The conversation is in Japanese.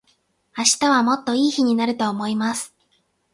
明日はもっと良い日になると思います。